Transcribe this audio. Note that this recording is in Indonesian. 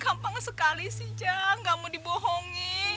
gampang sekali sih jang gak mau dibohongin